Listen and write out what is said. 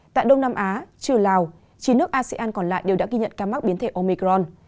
tại đông nam á trừ lào chín nước asean còn lại đều đã ghi nhận ca mắc biến thể omicron